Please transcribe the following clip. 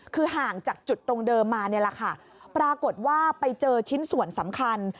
คือห่างจากจุดตรงเดิมมานี่แหละค่ะปรากฏว่าไปเจอชิ้นส่วนสำคัญ